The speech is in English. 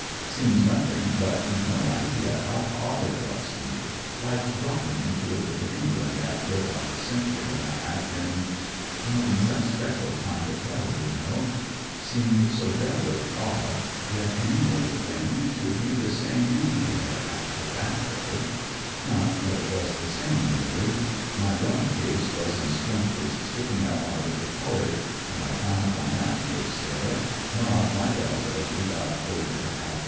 Seems nothing, but you've no idea how odd it was to me ; like di'opping into a bit of England, after about a century and a half in— in some special kind of hell, you know. Seemed so devilish odd that any mortal thing should be the same « I WHAT IT'S LIKE IN THE PUSH i7 anywhere, after that day. Not that it was the same really. My rum case wa* in splinters, sticking up out of the porridge, and I found my map case there ; torn off my belt as we got over at 8.